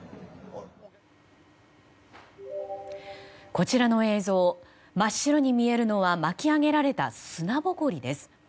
こちらの映像真っ白に見えるのは巻き上げられた砂ぼこりです。